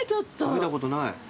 食べたことない。